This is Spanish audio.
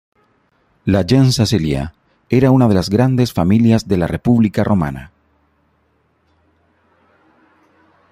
La Gens Cecilia era una de las grandes familias de la República Romana.